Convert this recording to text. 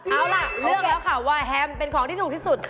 เอาล่ะเลือกแล้วค่ะว่าแฮมเป็นของที่ถูกที่สุด